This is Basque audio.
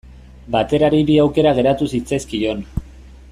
Baterari bi aukera geratu zitzaizkion.